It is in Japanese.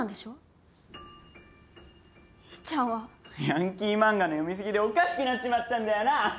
ヤンキー漫画の読み過ぎでおかしくなっちまったんだよな？